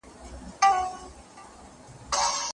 څوک د مئين سره په نه خبره شر نه کوي